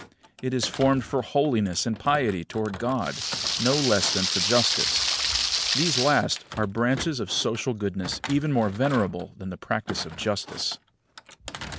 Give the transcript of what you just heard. It is formed for holiness and piety toward God, no less than for justice. These last are branches of social goodness even more venerable than the practice of justice.